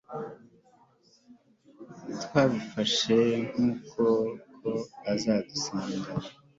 twabifashe nk'ukuri ko azadusanga